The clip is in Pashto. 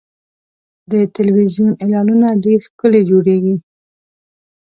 د تلویزیون اعلانونه ډېر ښکلي جوړېږي.